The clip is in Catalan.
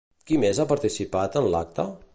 Qui més ha participat en l'acte?